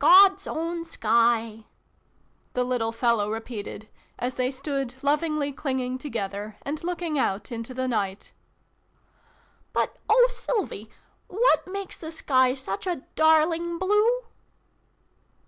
"God's own sky," the little fellow repeated, as they stood, lovingly clinging together, and looking out into the night. " But oh, Sylvie, what makes the sky such a darling blue